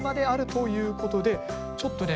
ということでちょっとね